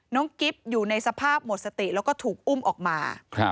กิ๊บอยู่ในสภาพหมดสติแล้วก็ถูกอุ้มออกมา